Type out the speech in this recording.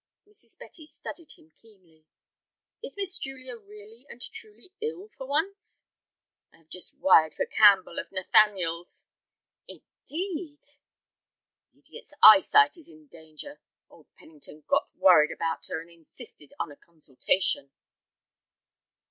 Mrs. Betty studied him keenly. "Is Miss Julia really and truly ill for once?" "I have just wired for Campbell of 'Nathaniel's'." "Indeed!" "The idiot's eyesight is in danger. Old Pennington got worried about her, and insisted on a consultation."